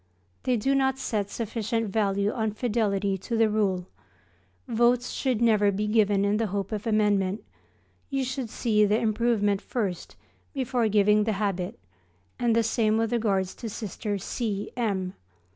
They do not set sufficient value on fidelity to the Rule. Votes should never be given in the hope of amendment, you should see the improvement first before giving the habit, and the same with regard to Sister C. M.